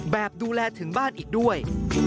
แบบดูแลถึงบ้านอีกด้วย